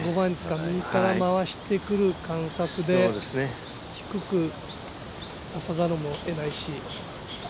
右から回してくる感覚で低く出さざるをえないし。